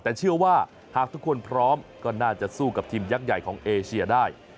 แต่เชื่อว่าหากทุกคนพร้อมก็น่าจะสู้กับทีมยักษ์ใหญ่ของเอเชียได้